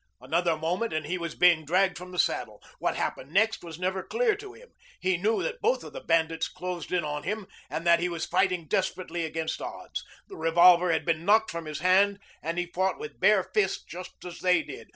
Another moment, and he was being dragged from the saddle. What happened next was never clear to him. He knew that both of the bandits closed in on him and that he was fighting desperately against odds. The revolver had been knocked from his hand and he fought with bare fists just as they did.